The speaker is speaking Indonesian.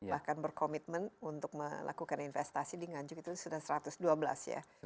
bahkan berkomitmen untuk melakukan investasi di nganjuk itu sudah satu ratus dua belas ya